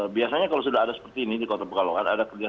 biasanya kalau sudah ada seperti ini di kota pekalongan